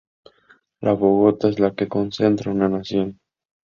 Una Bogotá en la que se concentra una Nación.